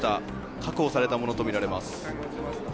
確保されたものとみられます。